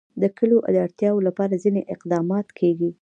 د کلیو د اړتیاوو لپاره ځینې اقدامات کېږي.